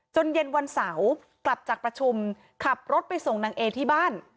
เย็นวันเสาร์กลับจากประชุมขับรถไปส่งนางเอที่บ้าน